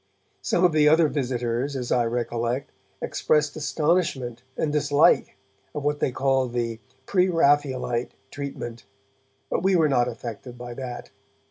Some of the other visitors, as I recollect, expressed astonishment and dislike of what they called the 'Preraphaelite' treatment, but we were not affected by that.